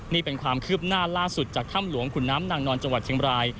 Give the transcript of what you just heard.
นี่เป็นความคืบหน้าล่าสุดจากถ้ำหลวงขุนน้ำนางนอนจังหวัดเชียงบราย